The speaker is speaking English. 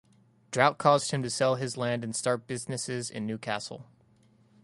Drought caused him to sell his land and start businesses in Newcastle.